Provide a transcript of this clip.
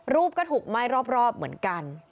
รูปก็ถูกไหม้รอบเหมือนกัน